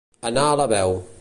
Anar a la veu.